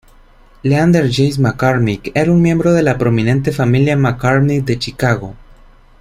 Leander James McCormick era un miembro de la prominente familia McCormick de Chicago.